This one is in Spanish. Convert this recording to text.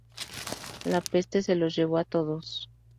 La peste se los llevó a todos.